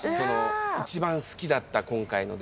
一番好きだった今回ので。